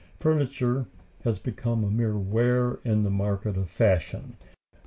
Furniture has become a mere ware in the market of fashion.